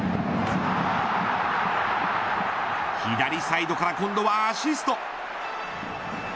左サイドから今度はアシスト。